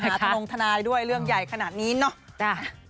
ได้หาตรงทนายด้วยเรื่องใหญ่ขนาดนี้เนอะได้